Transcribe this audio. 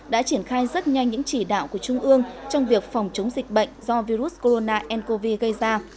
đã triển khai rất nhanh những chỉ đạo của trung ương trong việc phòng chống dịch bệnh do virus corona ncov gây ra